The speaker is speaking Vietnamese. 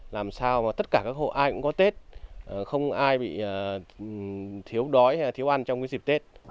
làm sao mà tất cả các hộ ai cũng có tết không ai bị thiếu đói thiếu ăn trong dịp tết